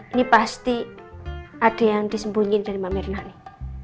ini pasti ada yang disembunyiin dari mak merna nih